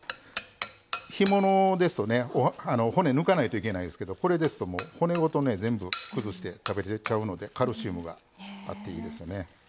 干物ですとね骨抜かないといけないですけどこれですともう骨ごとね全部崩して食べれちゃうのでカルシウムがあっていいですよね。